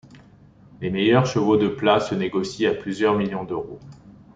Les meilleurs chevaux de plat se négocient à plusieurs millions d'euros.